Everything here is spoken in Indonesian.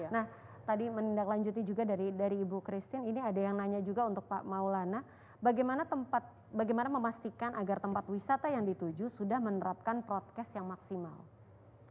nah tadi menindaklanjuti juga dari ibu christine ini ada yang nanya juga untuk pak maulana bagaimana tempat bagaimana memastikan agar tempat wisata yang dituju sudah menerapkan prokes yang maksimal